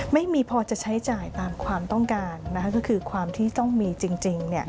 ไม่มีพอจะใช้จ่ายตามความต้องการก็คือความที่ต้องมีจริง